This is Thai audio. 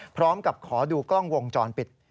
พร้อมกับขอดูกล้องวงจรปิด